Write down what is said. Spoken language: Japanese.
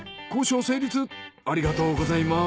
ありがとうございます。